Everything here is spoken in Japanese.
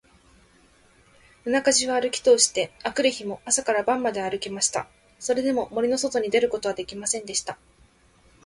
夜中じゅうあるきとおして、あくる日も朝から晩まであるきました。それでも、森のそとに出ることができませんでした。